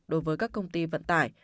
đối với các công ty vận tải